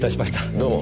どうも。